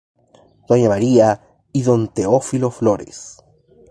Doña María y Don Teófilo Flores.